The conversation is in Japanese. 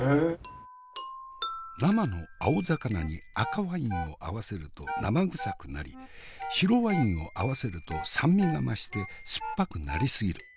生の青魚に赤ワインを合わせると生臭くなり白ワインを合わせると酸味が増して酸っぱくなり過ぎる。